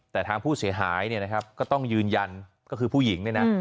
แต่ทางผู้เสียหายเนี่ยนะครับก็ต้องยืนยันก็คือผู้หญิงเนี่ยนะ